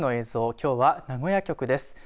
きょうは名古屋局です。